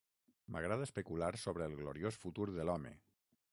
M'agrada especular sobre el gloriós futur de l'home.